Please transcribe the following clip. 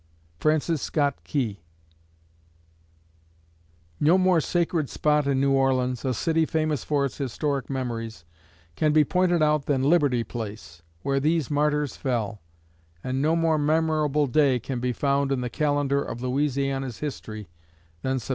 FRANCIS SCOTT KEY No more sacred spot in New Orleans, a city famous for its historic memories, can be pointed out than Liberty Place, where these martyrs fell; and no more memorable day can be found in the calendar of Louisiana's history than Sept.